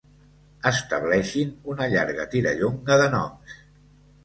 Estableixin una llarga tirallonga de noms.